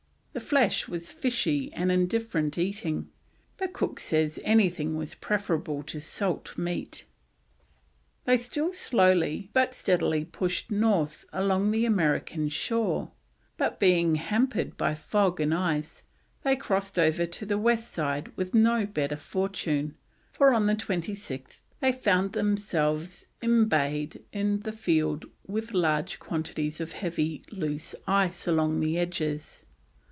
The flesh was fishy and indifferent eating, but Cook says anything was preferable to salt meat. They still slowly but steadily pushed north along the American shore, but, being hampered by fog and ice, they crossed over to the west side with no better fortune, for on the 26th they found themselves embayed in the field with large quantities of heavy loose ice along the edges.